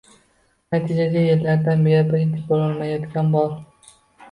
Natijada yillardan beri birinchi bo‘lolmayotganlar bor.